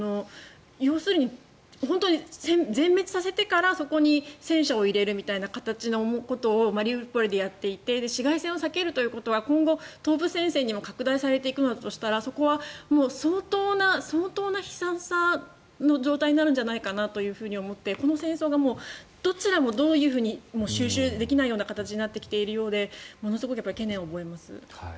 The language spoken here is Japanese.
要するに本当に全滅させてからそこに戦車を入れるみたいな形のことをマリウポリでやっていて市街戦を避けるということは今後、東部戦線にも拡大されていくとしたらそこはもう相当な悲惨さの状態になるんじゃないかなと思ってこの戦争がどちらもどういうふうに収拾できない形になってきているようでものすごく懸念を覚えます。